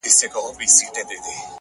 ځكه ځوانان ورانوي ځكه يې زړگي ورانوي،